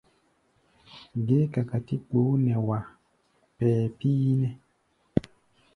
Géé kakatí kpoo nɛ wá pɛɛ píínɛ́ʼɛ!